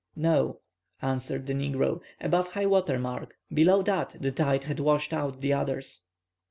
"No," answered the negro, "above high water mark; below that the tide had washed out the others."